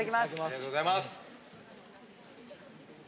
ありがとうございます。